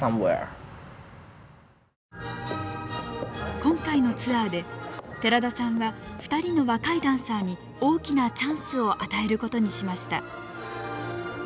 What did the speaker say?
今回のツアーで寺田さんは２人の若いダンサーに大きなチャンスを与えることにしました。